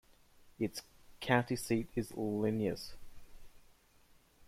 Its county seat is Linneus.